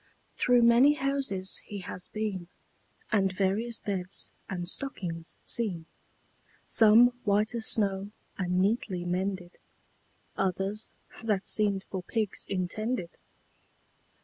Through many houses he has been, And various beds and stockings seen; Some, white as snow, and neatly mended, Others, that seemed for pigs intended.